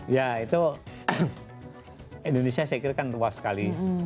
ya itu indonesia saya kira kan luas sekali